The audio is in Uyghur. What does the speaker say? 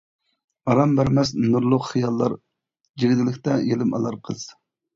ئارام بەرمەس نۇرلۇق خىياللار، جىگدىلىكتە يىلىم ئالار قىز.